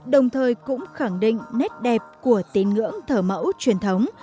đồng thời cũng khẳng định nét đẹp của tín ngưỡng thờ mẫu truyền thống